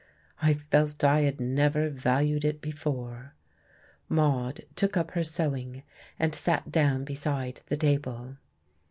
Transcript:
I felt I had never valued it before. Maude took up her sewing and sat down beside the table.